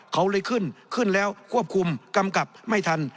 เขาเลยขึ้นขึ้นแล้วควบคุมกำกับไม่ทัน